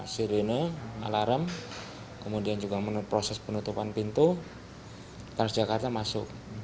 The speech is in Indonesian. sirine alarm kemudian juga proses penutupan pintu transjakarta masuk